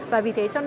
và vì thế cho nên